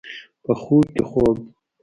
په خوب کې خوب